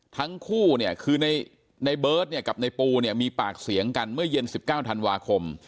ทั้งคู่เนี่ยคือในเบิร์ตเนี่ยกับในปูเนี่ยมีปากเสียงกันเมื่อเย็น๑๙ธันวาคม